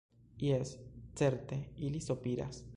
Jes, certe ili sopiras.